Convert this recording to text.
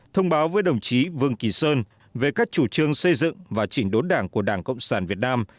thông báo với đồng chí vương kỳ sơn về các chủ trương xây dựng và chỉnh đốn đảng của đảng cộng sản việt nam